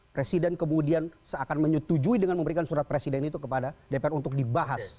presiden kemudian seakan menyetujui dengan memberikan surat presiden itu kepada dpr untuk dibahas